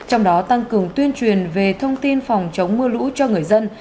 trong đó tăng cường tuyên truyền về thông tin phòng chống mưa lũ cho người dân